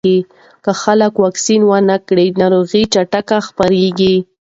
که خلک واکسین ونه کړي، ناروغي چټکه خپرېږي.